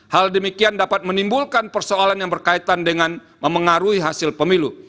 hal demikian dapat menimbulkan persoalan yang berkaitan dengan memengaruhi hasil pemilu